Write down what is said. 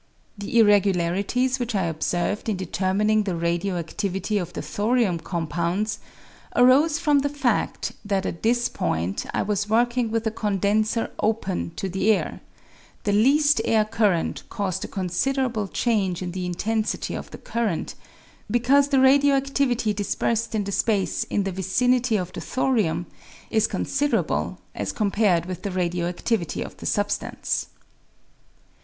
The irregularities which I observed in determining the radio adtivity of the thorium compounds arose from the fact that at this point I was working with a condenser open to the air ; the least air current caused a considerable change in the intensity of the current, because the radio adtivity dispersed in the space in the vicinity of the thorium is considerable as com pared with the radio adtivity of the substance.